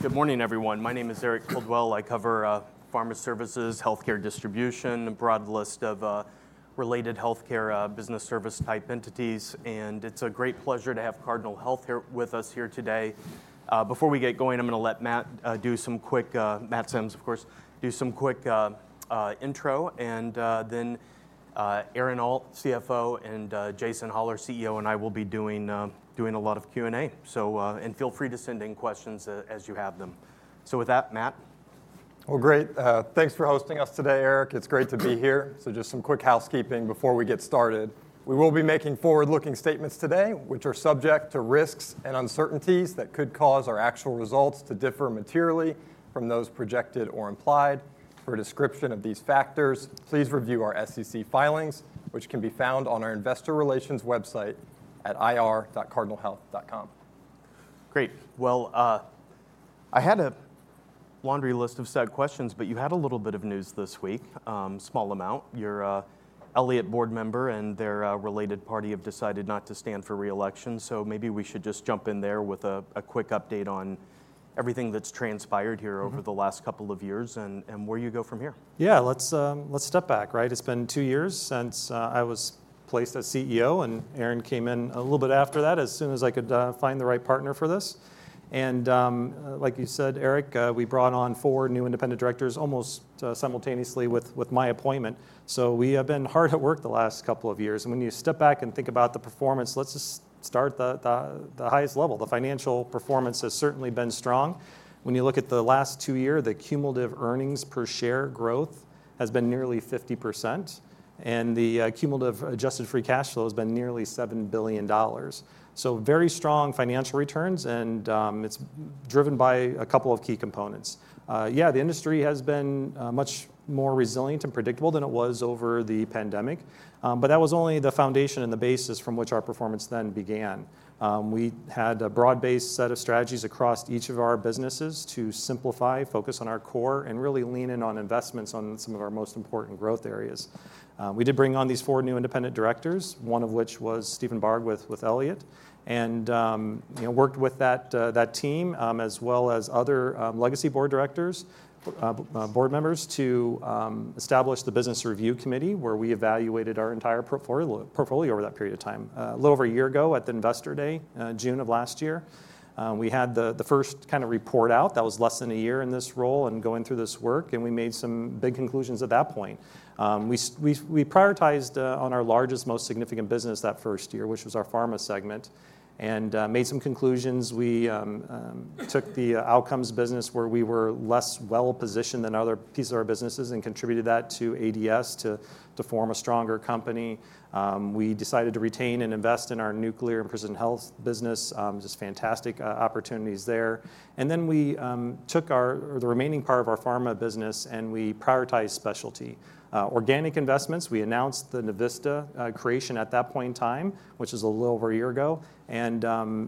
Good morning, everyone. My name is Eric Caldwell. I cover pharma services, healthcare distribution, a broad list of related healthcare business service type entities, and it's a great pleasure to have Cardinal Health here with us here today. Before we get going, I'm gonna let Matt Sims, of course, do some quick intro and then Aaron Alt, CFO, and Jason Hollar, CEO, and I will be doing a lot of Q&A, and feel free to send in questions as you have them. With that, Matt? Great. Thanks for hosting us today, Eric. It's great to be here. Just some quick housekeeping before we get started. We will be making forward-looking statements today, which are subject to risks and uncertainties that could cause our actual results to differ materially from those projected or implied. For a description of these factors, please review our SEC filings, which can be found on our investor relations website at ir.cardinalhealth.com. Great. Well, I had a laundry list of set questions, but you had a little bit of news this week, small amount. Your Elliott board member and their related party have decided not to stand for re-election, so maybe we should just jump in there with a quick update on everything that's transpired here. Mm-hmm... over the last couple of years, and where you go from here. Yeah, let's, let's step back, right? It's been two years since I was placed as CEO, and Aaron came in a little bit after that, as soon as I could find the right partner for this. And, like you said, Eric, we brought on four new independent directors, almost simultaneously with my appointment. So we have been hard at work the last couple of years, and when you step back and think about the performance, let's just start at the highest level. The financial performance has certainly been strong. When you look at the last two year, the cumulative earnings per share growth has been nearly 50%, and the cumulative adjusted free cash flow has been nearly $7 billion. So very strong financial returns, and it's driven by a couple of key components. Yeah, the industry has been much more resilient and predictable than it was over the pandemic, but that was only the foundation and the basis from which our performance then began. We had a broad-based set of strategies across each of our businesses to simplify, focus on our core, and really lean in on investments on some of our most important growth areas. We did bring on these four new independent directors, one of which was Steven Barg with Elliott, and you know, worked with that team, as well as other legacy board directors, board members, to establish the Business Review Committee, where we evaluated our entire portfolio over that period of time. A little over a year ago, at the Investor Day, June of last year, we had the first kind of report out. That was less than a year in this role and going through this work, and we made some big conclusions at that point. We prioritized on our largest, most significant business that first year, which was our pharma segment, and made some conclusions. We took the Outcomes business, where we were less well positioned than other pieces of our businesses, and contributed that to TDS to form a stronger company. We decided to retain and invest in our Nuclear and Precision Health business, just fantastic opportunities there. And then we took the remaining part of our pharma business, and we prioritized specialty. Organic investments, we announced the Navista creation at that point in time, which is a little over a year ago, and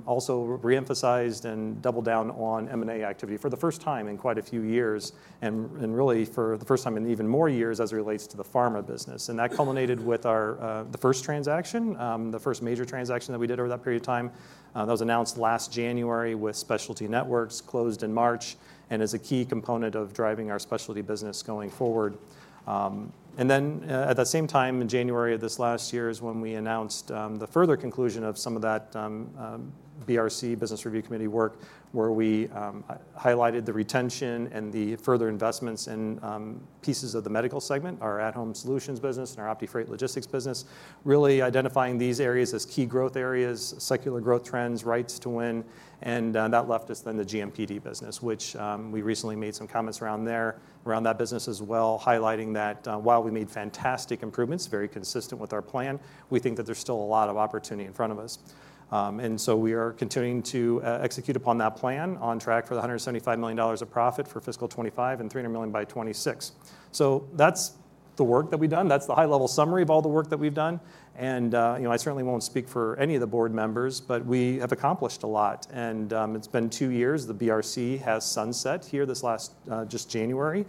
also re-emphasised and doubled down on M&A activity for the first time in quite a few years, and really for the first time in even more years as it relates to the pharma business. That culminated with our the first transaction the first major transaction that we did over that period of time. That was announced last January with Specialty Networks, closed in March, and is a key component of driving our specialty business going forward. And then, at the same time, in January of this last year, is when we announced the further conclusion of some of that BRC, Business Review Committee work, where we highlighted the retention and the further investments in pieces of the medical segment, our at-Home Solutions business and our OptiFreight Logistics business, really identifying these areas as key growth areas, secular growth trends, rights to win. And that left us then the GMPD business, which we recently made some comments around there, around that business as well, highlighting that while we made fantastic improvements, very consistent with our plan, we think that there's still a lot of opportunity in front of us. And so we are continuing to execute upon that plan, on track for the $175 million of profit for fiscal 2025 and $300 million by 2026, so that's the work that we've done, that's the high-level summary of all the work that we've done, and you know, I certainly won't speak for any of the board members, but we have accomplished a lot, and it's been two years. The BRC has sunset here this last just January,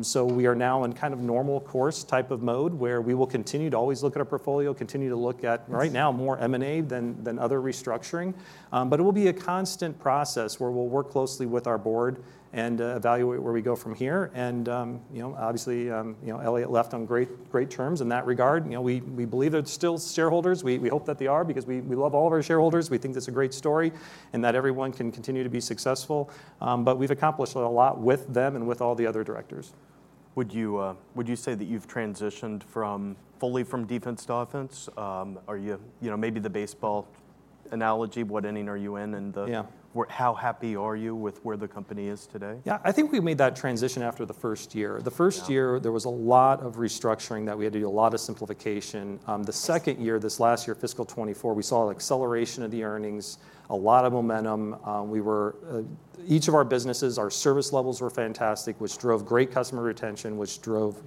so we are now in kind of normal course type of mode, where we will continue to always look at our portfolio, continue to look at, right now, more M&A than other restructuring, but it will be a constant process, where we'll work closely with our board and evaluate where we go from here. You know, obviously, you know, Elliott left on great, great terms in that regard. You know, we believe they're still shareholders. We hope that they are, because we love all of our shareholders. We think it's a great story and that everyone can continue to be successful, but we've accomplished a lot with them and with all the other directors. Would you say that you've transitioned fully from defense to offense? You know, maybe the baseball analogy, what inning are you in, and the- Yeah ... how happy are you with where the company is today? Yeah, I think we made that transition after the first year. Yeah. The first year, there was a lot of restructuring that we had to do a lot of simplification. The second year, this last year, fiscal 2024, we saw acceleration of the earnings, a lot of momentum. Each of our businesses, our service levels were fantastic, which drove great customer retention, which drove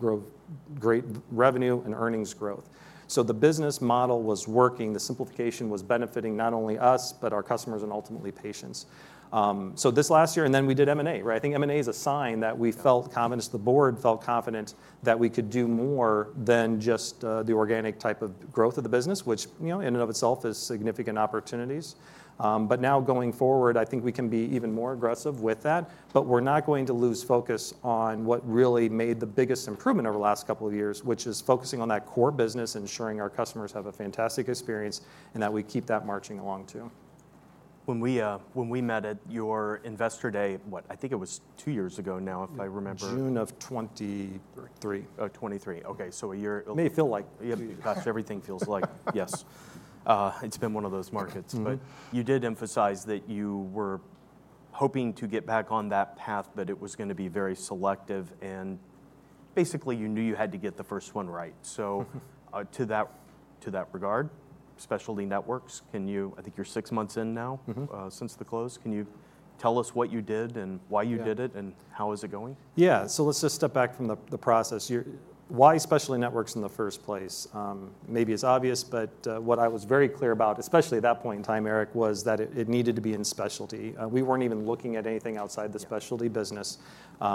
great revenue and earnings growth. So the business model was working, the simplification was benefiting not only us, but our customers and ultimately patients. So this last year, and then we did M&A, right? I think M&A is a sign that we felt confident, the board felt confident that we could do more than just the organic type of growth of the business, which, you know, in and of itself is significant opportunities. But now going forward, I think we can be even more aggressive with that, but we're not going to lose focus on what really made the biggest improvement over the last couple of years, which is focusing on that core business, ensuring our customers have a fantastic experience, and that we keep that marching along, too. When we met at your Investor Day, what, I think it was two years ago now, if I remember. June of 2023. 2023. Okay, so a year- May feel like. Yeah. Gosh, everything feels like... Yes. It's been one of those markets. Mm-hmm. But you did emphasize that you were hoping to get back on that path, but it was going to be very selective, and basically, you knew you had to get the first one right. Mm-hmm. So, to that regard, Specialty Networks, can you—I think you're six months in now- Mm-hmm... since the close. Can you tell us what you did, and why you did it- Yeah... and how is it going? Yeah, so let's just step back from the process here. Why Specialty Networks in the first place? Maybe it's obvious, but what I was very clear about, especially at that point in time, Eric, was that it needed to be in specialty. We weren't even looking at anything outside the- Yeah... specialty business.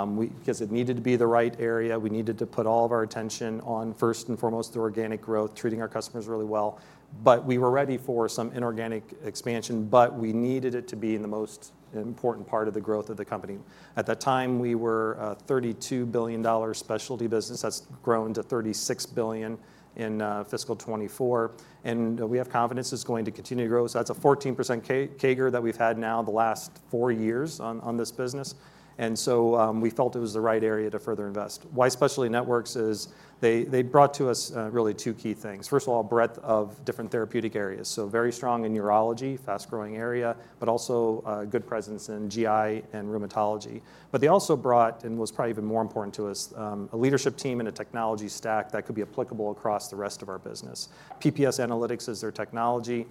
We, because it needed to be the right area, we needed to put all of our attention on, first and foremost, the organic growth, treating our customers really well. But we were ready for some inorganic expansion, but we needed it to be in the most important part of the growth of the company. At that time, we were a $32 billion specialty business. That's grown to $36 billion in fiscal 2024, and we have confidence it's going to continue to grow. So that's a 14% CAGR that we've had now the last four years on this business, and so we felt it was the right area to further invest. Why Specialty Networks is, they brought to us really two key things. First of all, breadth of different therapeutic areas, so very strong in neurology, fast-growing area, but also a good presence in GI and rheumatology. But they also brought, and was probably even more important to us, a leadership team and a technology stack that could be applicable across the rest of our business. PPS Analytics is their technology.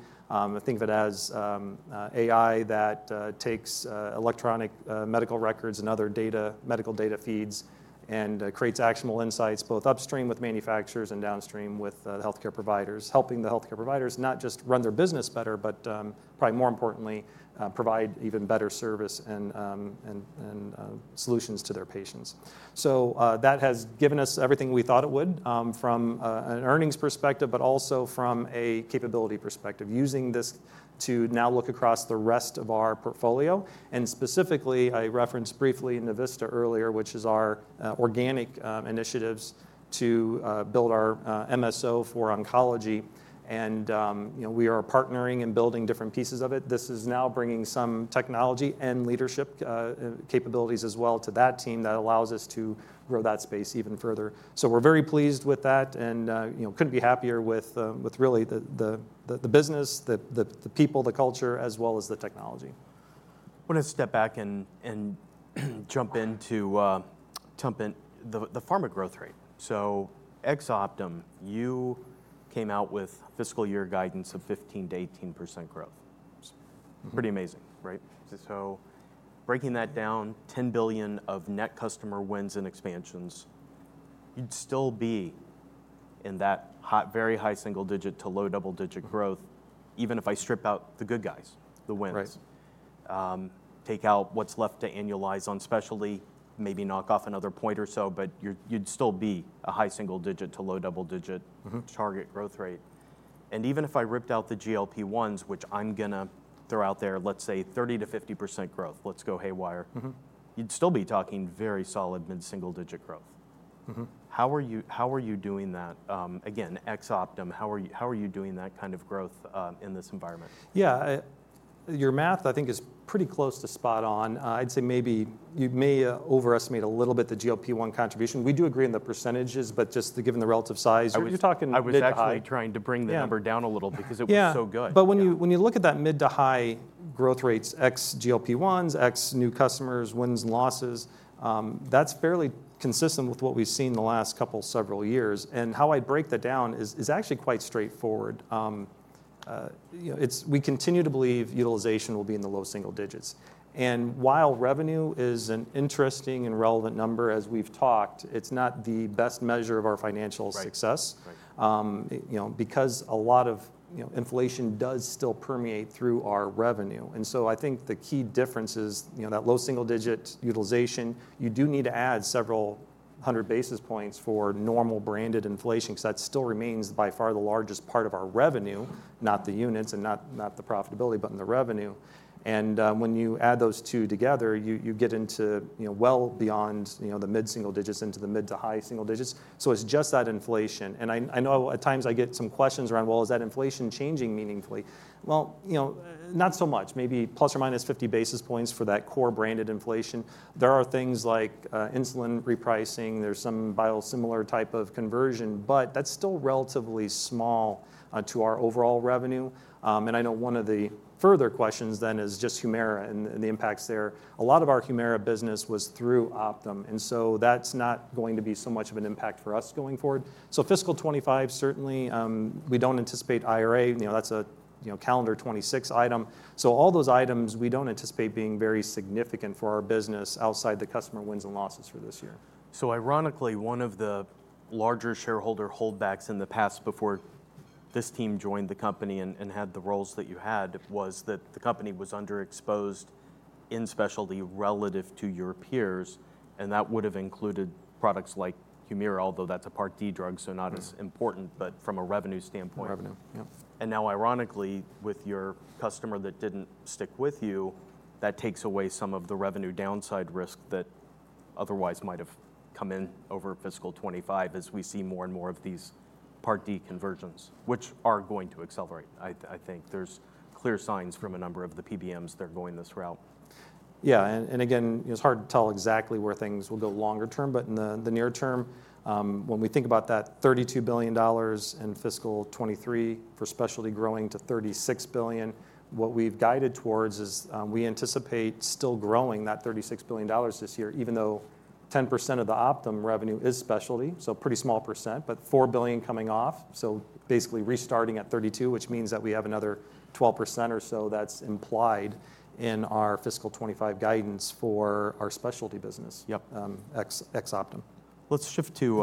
Think of it as AI that takes electronic medical records and other data, medical data feeds, and creates actionable insights, both upstream with manufacturers and downstream with the healthcare providers, helping the healthcare providers not just run their business better, but probably more importantly, provide even better service and solutions to their patients. So, that has given us everything we thought it would from an earnings perspective, but also from a capability perspective, using this to now look across the rest of our portfolio. And specifically, I referenced briefly Navista earlier, which is our organic initiatives to build our MSO for oncology, and you know, we are partnering and building different pieces of it. This is now bringing some technology and leadership capabilities as well to that team that allows us to grow that space even further. So we're very pleased with that, and you know, couldn't be happier with really the business, the people, the culture, as well as the technology. I want to step back and jump into the pharma growth rate. Ex Optum, you came out with fiscal year guidance of 15%-18% growth. Mm-hmm. Pretty amazing, right? So, breaking that down, $10 billion of net customer wins and expansions. You'd still be in that hot, very high single-digit to low double-digit growth, even if I strip out the good guys, the wins. Right. Take out what's left to annualize on specialty, maybe knock off another point or so, but you're-you'd still be a high single digit to low double digit. Mm-hmm... target growth rate. And even if I ripped out the GLP-1s, which I'm going to throw out there, let's say 30%-50% growth, let's go haywire. Mm-hmm. You'd still be talking very solid mid-single digit growth. Mm-hmm. How are you, how are you doing that? Again, ex Optum, how are you, how are you doing that kind of growth, in this environment? Yeah, your math, I think, is pretty close to spot on. I'd say maybe you may overestimate a little bit the GLP-1 contribution. We do agree on the percentages, but just given the relative size, you're talking mid to high. I was actually trying to bring the number- Yeah... down a little because it was so good. Yeah. Yeah. But when you look at that mid to high growth rates, ex GLP-1s, ex new customers, wins and losses, that's fairly consistent with what we've seen the last couple, several years, and how I break that down is actually quite straightforward. You know, we continue to believe utilization will be in the low single digits. And while revenue is an interesting and relevant number, as we've talked, it's not the best measure of our financial success. Right. Right You know, because a lot of, you know, inflation does still permeate through our revenue, and so I think the key difference is, you know, that low single digit utilization. You do need to add several hundred basis points for normal branded inflation, because that still remains by far the largest part of our revenue, not the units and not the profitability, but in the revenue. And when you add those two together, you get into, you know, well beyond, you know, the mid single digits into the mid to high single digits. So it's just that inflation. And I know at times I get some questions around, well, is that inflation changing meaningfully? Well, you know, not so much. Maybe plus or minus 50 basis points for that core branded inflation. There are things like insulin repricing. There's some biosimilar type of conversion, but that's still relatively small to our overall revenue. I know one of the further questions then is just Humira and the impacts there. A lot of our Humira business was through Optum, and so that's not going to be so much of an impact for us going forward. Fiscal 2025, certainly, we don't anticipate IRA. You know, that's a you know, calendar 26 item. All those items, we don't anticipate being very significant for our business outside the customer wins and losses for this year. So ironically, one of the larger shareholder holdbacks in the past before this team joined the company and had the roles that you had was that the company was underexposed in specialty relative to your peers, and that would have included products like Humira, although that's a Part D drug, so not as- Mm... important, but from a revenue standpoint. Revenue, yep. And now, ironically, with your customer that didn't stick with you, that takes away some of the revenue downside risk that otherwise might have come in over fiscal 2025 as we see more and more of these Part D conversions, which are going to accelerate. I, I think there's clear signs from a number of the PBMs that are going this route. Yeah, and again, it's hard to tell exactly where things will go longer term, but in the near term, when we think about that $32 billion in fiscal 2023 for specialty growing to $36 billion, what we've guided towards is, we anticipate still growing that $36 billion this year, even though 10% of the Optum revenue is specialty, so pretty small percent, but $4 billion coming off, so basically restarting at 32, which means that we have another 12% or so that's implied in our fiscal 2025 guidance for our specialty business. Yep. Ex-Optum. Let's shift to,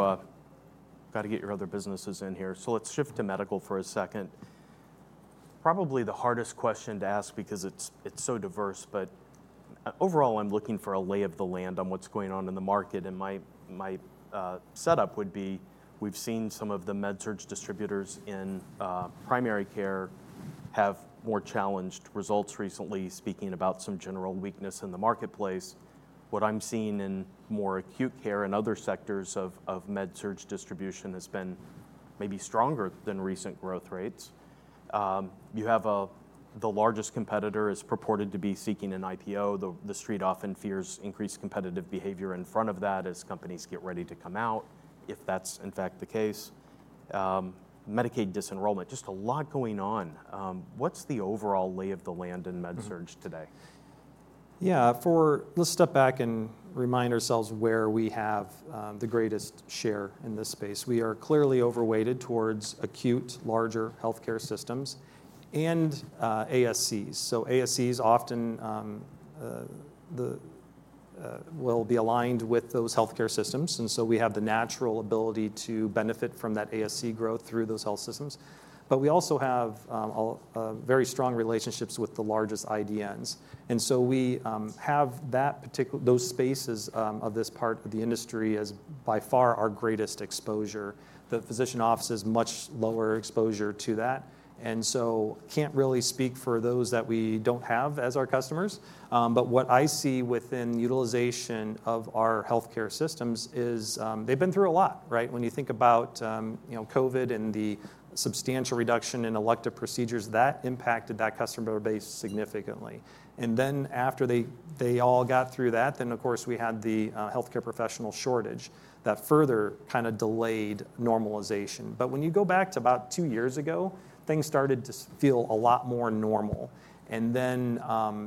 got to get your other businesses in here. So let's shift to medical for a second. Probably the hardest question to ask because it's so diverse, but overall, I'm looking for a lay of the land on what's going on in the market, and my setup would be, we've seen some of the med surg distributors in primary care have more challenged results recently, speaking about some general weakness in the marketplace. What I'm seeing in more acute care and other sectors of med surg distribution has been maybe stronger than recent growth rates. You have the largest competitor is purported to be seeking an IPO, the Street often fears increased competitive behavior in front of that as companies get ready to come out, if that's in fact the case. Medicaid disenrollment, just a lot going on. What's the overall lay of the land in med surg today? Mm-hmm. Yeah, for-- let's step back and remind ourselves where we have the greatest share in this space. We are clearly overweighted towards acute, larger healthcare systems and ASCs. So ASCs often will be aligned with those healthcare systems, and so we have the natural ability to benefit from that ASC growth through those health systems. But we also have a very strong relationships with the largest IDNs. And so we have that particular-- those spaces of this part of the industry as by far our greatest exposure. The physician office is much lower exposure to that, and so can't really speak for those that we don't have as our customers. But what I see within utilization of our healthcare systems is they've been through a lot, right? When you think about, you know, COVID and the substantial reduction in elective procedures, that impacted that customer base significantly. And then after they all got through that, then, of course, we had the healthcare professional shortage, that further kinda delayed normalization. But when you go back to about two years ago, things started to feel a lot more normal. And then,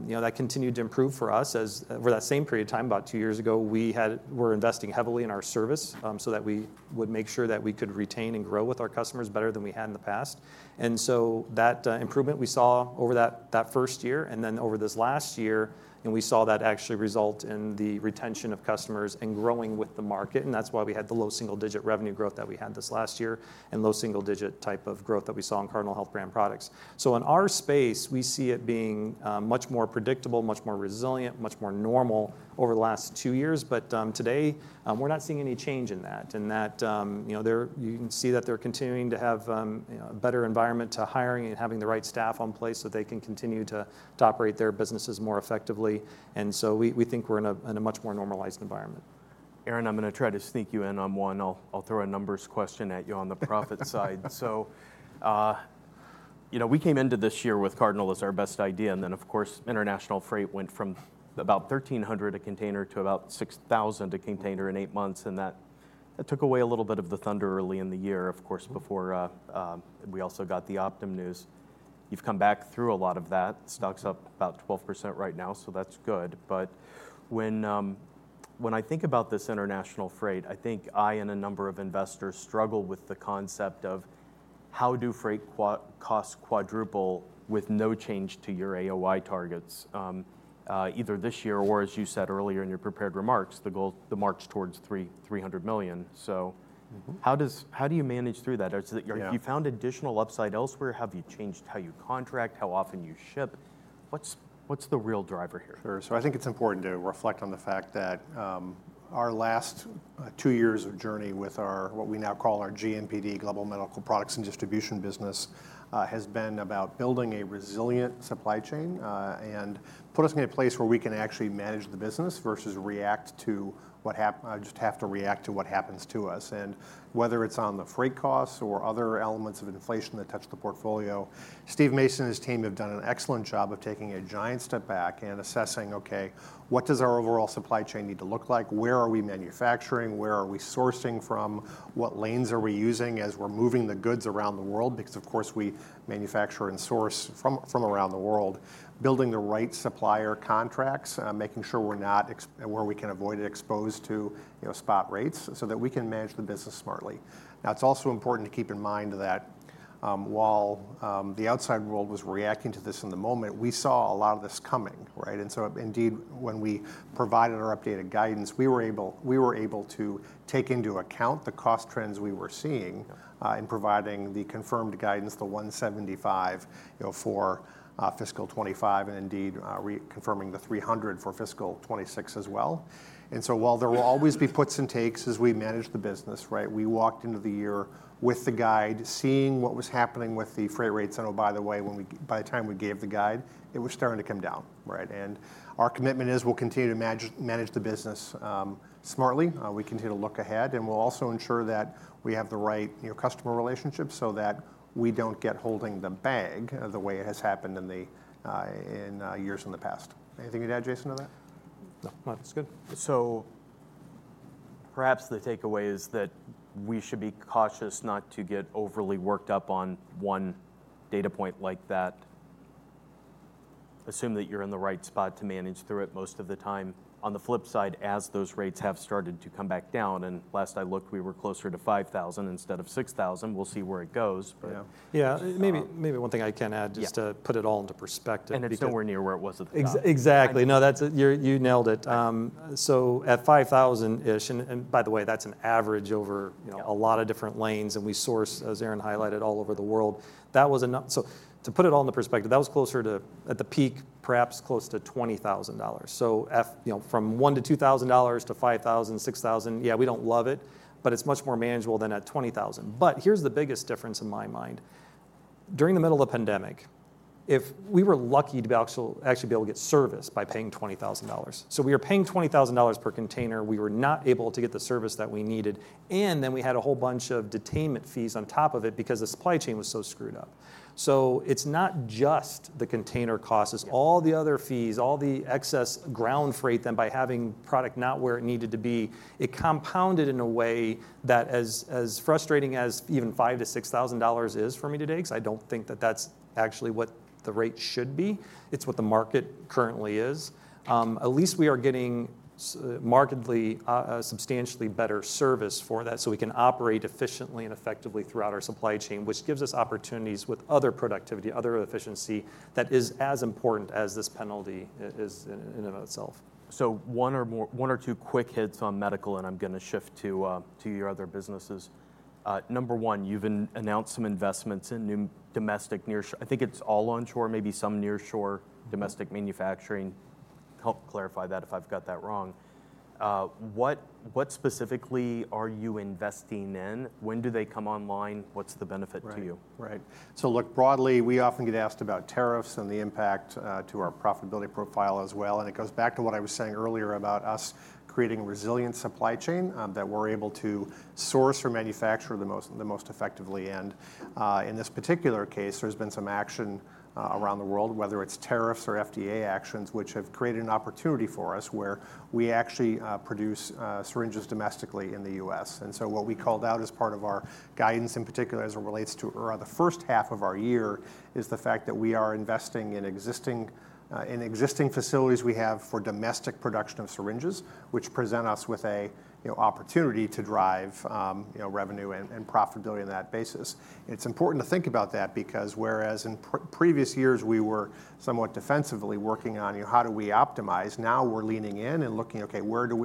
you know, that continued to improve for us as over that same period of time, about two years ago, we're investing heavily in our service, so that we would make sure that we could retain and grow with our customers better than we had in the past. And so that improvement we saw over that first year and then over this last year, and we saw that actually result in the retention of customers and growing with the market, and that's why we had the low single-digit revenue growth that we had this last year, and low single-digit type of growth that we saw in Cardinal Health brand products. So in our space, we see it being much more predictable, much more resilient, much more normal over the last two years, but today, we're not seeing any change in that. And that, you know, you can see that they're continuing to have, you know, a better environment for hiring and having the right staff in place so they can continue to operate their businesses more effectively. We think we're in a much more normalized environment. Aaron, I'm going to try to sneak you in on one. I'll throw a numbers question at you on the profit side. So, you know, we came into this year with Cardinal as our best idea, and then, of course, international freight went from about 1,300 a container to about 6,000 a container in eight months, and that took away a little bit of the thunder early in the year, of course, before we also got the Optum news. You've come back through a lot of that. Stock's up about 12% right now, so that's good. But when I think about this international freight, I think I and a number of investors struggle with the concept of how do freight costs quadruple with no change to your AOI targets, either this year or as you said earlier in your prepared remarks, the goal, the march towards $300 million. So- Mm-hmm. How does, how do you manage through that? Yeah. As you found additional upside elsewhere, have you changed how you contract, how often you ship? What's the real driver here? Sure. So I think it's important to reflect on the fact that, our last, two years of journey with our, what we now call our GMPD, Global Medical Products and Distribution business, has been about building a resilient supply chain, and putting us in a place where we can actually manage the business versus react to what happens to us. And whether it's on the freight costs or other elements of inflation that touch the portfolio, Steve Mason and his team have done an excellent job of taking a giant step back and assessing, okay, what does our overall supply chain need to look like? Where are we manufacturing? Where are we sourcing from? What lanes are we using as we're moving the goods around the world? Because of course, we manufacture and source from around the world. Building the right supplier contracts, making sure we're not, where we can avoid it, exposed to, you know, spot rates so that we can manage the business smartly. Now, it's also important to keep in mind that while the outside world was reacting to this in the moment, we saw a lot of this coming, right? And so indeed, when we provided our updated guidance, we were able to take into account the cost trends we were seeing in providing the confirmed guidance, the $175, you know, for fiscal 2025, and indeed reconfirming the $300 for fiscal 2026 as well. And so while there will always be puts and takes as we manage the business, right? We walked into the year with the guide, seeing what was happening with the freight rates, and oh, by the way, by the time we gave the guide, it was starting to come down, right, and our commitment is we'll continue to manage the business smartly, we continue to look ahead, and we'll also ensure that we have the right, you know, customer relationships so that we don't get holding the bag, the way it has happened in the years in the past. Anything to add, Jason, to that?... No, that's good. So perhaps the takeaway is that we should be cautious not to get overly worked up on one data point like that. Assume that you're in the right spot to manage through it most of the time. On the flip side, as those rates have started to come back down, and last I looked, we were closer to 5,000 instead of 6,000. We'll see where it goes, but- Yeah. Yeah, maybe, maybe one thing I can add- Yeah Just to put it all into perspective. It's nowhere near where it was at the top. Exactly. No, that's you nailed it. So at 5,000-ish, and by the way, that's an average over- Yeah... a lot of different lanes, and we source, as Aaron highlighted, all over the world. That was enough. So to put it all into perspective, that was closer to, at the peak, perhaps close to $20,000. So you know, from $1,000 to $2,000 to $5,000-$6,000, yeah, we don't love it, but it's much more manageable than at $20,000. But here's the biggest difference in my mind. During the middle of the pandemic, if we were lucky to actually be able to get service by paying $20,000. So we were paying $20,000 per container, we were not able to get the service that we needed, and then we had a whole bunch of detainment fees on top of it because the supply chain was so screwed up. So it's not just the container costs- Yeah... it's all the other fees, all the excess ground freight, then by having product not where it needed to be, it compounded in a way that as frustrating as even $5,000-$6,000 is for me today, because I don't think that that's actually what the rate should be, it's what the market currently is. At least we are getting markedly a substantially better service for that, so we can operate efficiently and effectively throughout our supply chain, which gives us opportunities with other productivity, other efficiency, that is as important as this penalty is in and of itself. So one or two quick hits on medical, and I'm going to shift to, to your other businesses. Number one, you've announced some investments in new domestic nearshore. I think it's all onshore, maybe some nearshore. Mm-hmm... domestic manufacturing. Help clarify that if I've got that wrong. What specifically are you investing in? When do they come online? What's the benefit to you? Right. Right. So look, broadly, we often get asked about tariffs and the impact to our profitability profile as well, and it goes back to what I was saying earlier about us creating a resilient supply chain, that we're able to source or manufacture the most effectively, and in this particular case, there's been some action around the world, whether it's tariffs or FDA actions, which have created an opportunity for us where we actually produce syringes domestically in the U.S. And so what we called out as part of our guidance, in particular, as it relates to around the first half of our year, is the fact that we are investing in existing facilities we have for domestic production of syringes, which present us with a, you know, opportunity to drive, you know, revenue and profitability on that basis. It's important to think about that, because whereas in previous years, we were somewhat defensively working on, you know, how do we optimize, now we're leaning in and looking, okay, where do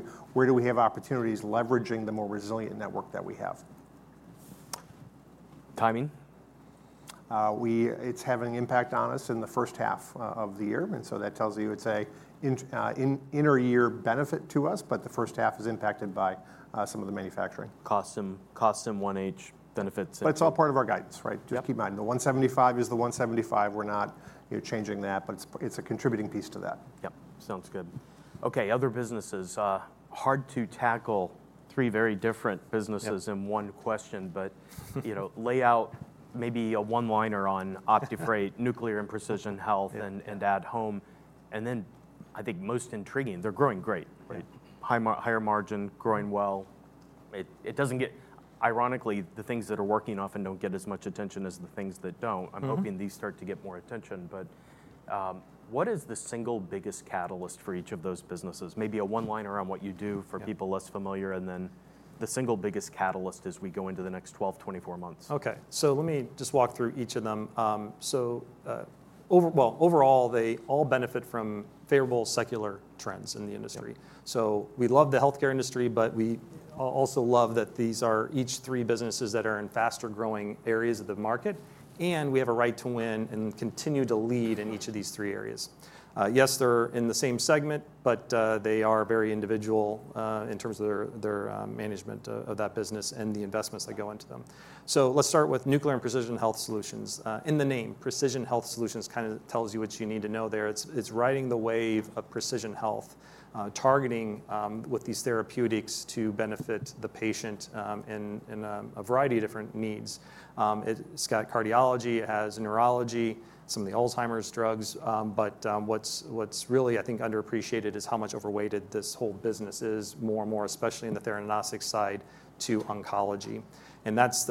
we have opportunities, leveraging the more resilient network that we have? Timing? It's having an impact on us in the first half of the year, and so that tells you it's an inter-year benefit to us, but the first half is impacted by some of the manufacturing. Cost and one H benefits. But it's all part of our guidance, right? Yep. Just keep in mind, the one seventy-five is the one seventy-five. We're not, you know, changing that, but it's a contributing piece to that. Yep, sounds good. Okay, other businesses, hard to tackle three very different businesses- Yep... in one question, but you know, lay out maybe a one-liner on OptiFreight, Nuclear and Precision Health. Yeah... and At Home, then, I think most intriguing, they're growing great. Right. Higher margin, growing well. It doesn't get... Ironically, the things that are working often don't get as much attention as the things that don't. Mm-hmm. I'm hoping these start to get more attention. But, what is the single biggest catalyst for each of those businesses? Maybe a one-liner on what you do- Yeah... for people less familiar, and then the single biggest catalyst as we go into the next 12, 24 months. Okay, so let me just walk through each of them. Overall, they all benefit from favorable secular trends in the industry. Yeah. So we love the healthcare industry, but we also love that these are each three businesses that are in faster-growing areas of the market, and we have a right to win and continue to lead in each of these three areas. Yes, they're in the same segment, but they are very individual in terms of their management of that business and the investments that go into them. So let's start with Nuclear and Precision Health Solutions. In the name, Precision Health Solutions kind of tells you what you need to know there. It's riding the wave of precision health, targeting with these therapeutics to benefit the patient in a variety of different needs. It's got cardiology, it has neurology, some of the Alzheimer's drugs, but what's really, I think, underappreciated is how much overweighted this whole business is, more and more, especially in the theranostics side to oncology, and that's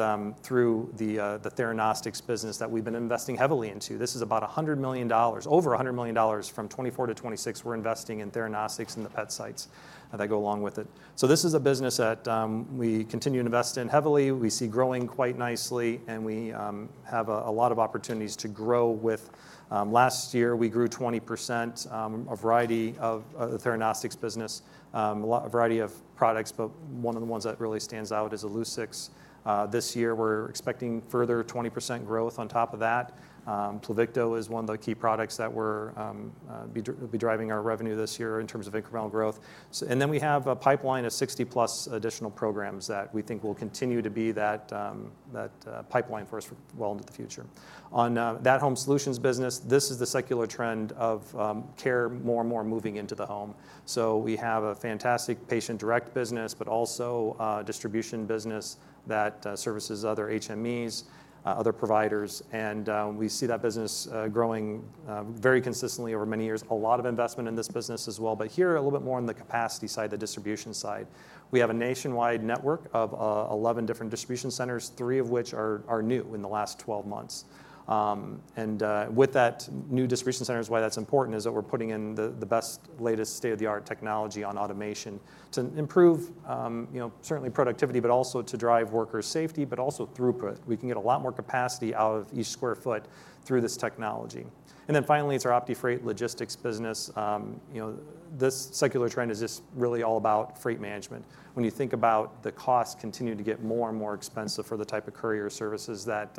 through the theranostics business that we've been investing heavily into. This is about $100 million, over $100 million, from 2024 to 2026, we're investing in theranostics and the PET sites that go along with it. So this is a business that we continue to invest in heavily, we see growing quite nicely, and we have a lot of opportunities to grow with. Last year, we grew 20%, a variety of the theranostics business, a lot, a variety of products, but one of the ones that really stands out is Illuccix. This year, we're expecting further 20% growth on top of that. Pluvicto is one of the key products that we're will be driving our revenue this year in terms of incremental growth. And then we have a pipeline of 60-plus additional programs that we think will continue to be that pipeline for us well into the future. On that Home Solutions business, this is the secular trend of care more and more moving into the home. So we have a fantastic Patient Direct business, but also a distribution business that services other HMEs, other providers, and we see that business growing very consistently over many years. A lot of investment in this business as well, but here, a little bit more on the capacity side, the distribution side. We have a nationwide network of 11 different distribution centers, three of which are new in the last 12 months, and with that new distribution centers, why that's important is that we're putting in the best latest state-of-the-art technology on automation to improve, you know, certainly productivity, but also to drive worker safety, but also throughput. We can get a lot more capacity out of each sq ft through this technology. And then finally, it's our OptiFreight Logistics business. You know, this secular trend is just really all about freight management. When you think about the costs continue to get more and more expensive for the type of courier services that,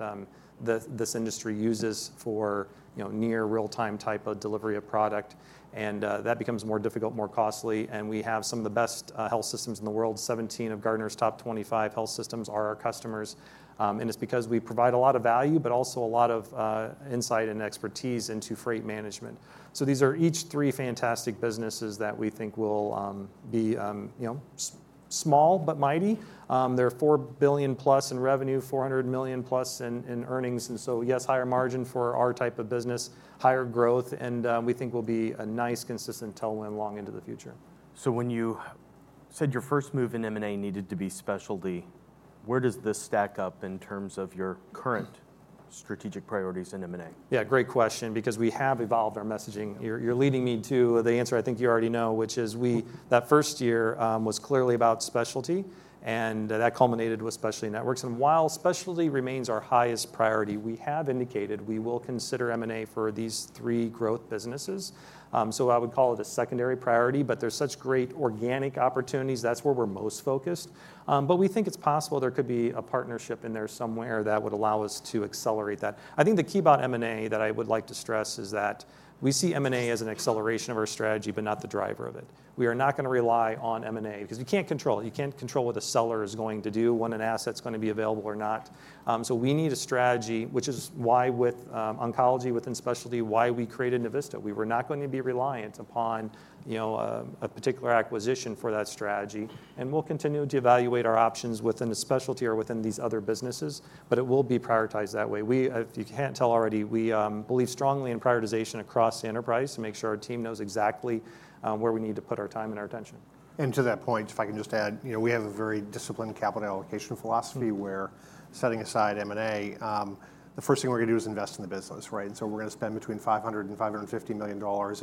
the, this industry uses for, you know, near real-time type of delivery of product, and, that becomes more difficult, more costly, and we have some of the best, health systems in the world. 17 of Gartner's top 25 health systems are our customers. And it's because we provide a lot of value, but also a lot of, insight and expertise into freight management. So these are each three fantastic businesses that we think will, be, you know, small but mighty. They're $4 billion plus in revenue, $400 million plus in earnings, and so, yes, higher margin for our type of business, higher growth, and, we think will be a nice consistent tailwind long into the future. So when you said your first move in M&A needed to be specialty, where does this stack up in terms of your current strategic priorities in M&A? Yeah, great question, because we have evolved our messaging. You're leading me to the answer I think you already know, which is that first year was clearly about specialty, and that culminated with Specialty Networks. And while specialty remains our highest priority, we have indicated we will consider M&A for these three growth businesses. So I would call it a secondary priority, but there's such great organic opportunities, that's where we're most focused. But we think it's possible there could be a partnership in there somewhere that would allow us to accelerate that. I think the key about M&A that I would like to stress is that we see M&A as an acceleration of our strategy, but not the driver of it. We are not gonna rely on M&A, because you can't control it. You can't control what the seller is going to do, when an asset's gonna be available or not. So we need a strategy, which is why with oncology within specialty, why we created Navista. We were not going to be reliant upon, you know, a particular acquisition for that strategy, and we'll continue to evaluate our options within the specialty or within these other businesses, but it will be prioritized that way. We, if you can't tell already, we, believe strongly in prioritization across the enterprise to make sure our team knows exactly, where we need to put our time and our attention. And to that point, if I can just add, you know, we have a very disciplined capital allocation philosophy- Mm... where setting aside M&A, the first thing we're gonna do is invest in the business, right? And so we're gonna spend between $500 and $550 million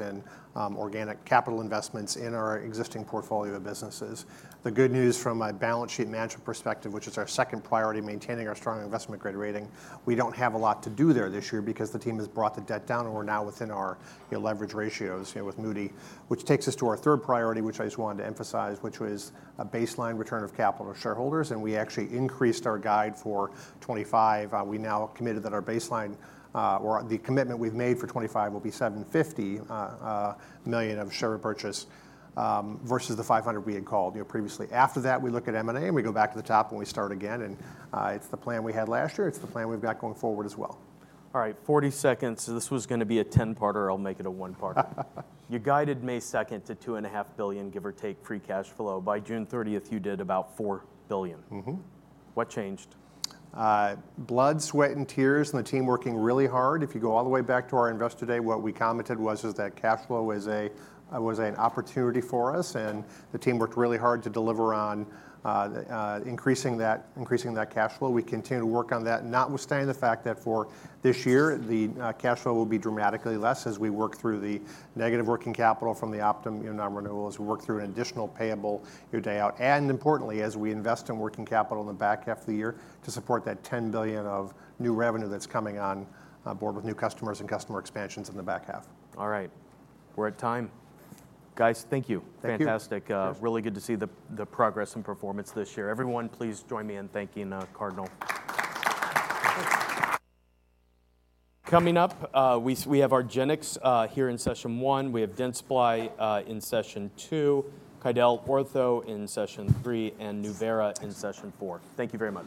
in organic capital investments in our existing portfolio of businesses. The good news from a balance sheet management perspective, which is our second priority, maintaining our strong investment grade rating, we don't have a lot to do there this year because the team has brought the debt down, and we're now within our, you know, leverage ratios, you know, with Moody's, which takes us to our third priority, which I just wanted to emphasize, which was a baseline return of capital to shareholders, and we actually increased our guide for 2025. We now committed that our baseline, or the commitment we've made for twenty-five will be $750 million of share repurchase versus the $500 we had called, you know, previously. After that, we look at M&A, and we go back to the top, and we start again, and it's the plan we had last year, it's the plan we've got going forward as well. All right, 40 seconds. So this was gonna be a 10-parter. I'll make it a one-parter. You guided May 2nd to $2.5 billion, give or take, free cash flow. By June 30th, you did about $4 billion. Mm-hmm. What changed? Blood, sweat, and tears, and the team working really hard. If you go all the way back to our Investor Day, what we commented was that cash flow was an opportunity for us, and the team worked really hard to deliver on the increasing that cash flow. We continue to work on that, notwithstanding the fact that for this year, the cash flow will be dramatically less as we work through the negative working capital from the Optum, you know, non-renewal, as we work through an additional payables day out, and importantly, as we invest in working capital in the back half of the year to support that $10 billion of new revenue that's coming on board with new customers and customer expansions in the back half. All right. We're at time. Guys, thank you. Thank you. Fantastic. Yes. Really good to see the progress and performance this year. Everyone, please join me in thanking Cardinal. Coming up, we have argenx here in session one, we have Dentsply in session two, QuidelOrtho in session three, and Nevro in session four. Thank you very much.